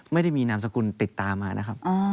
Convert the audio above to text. ไม่ได้มีนามสกุลติดตามมานะครับ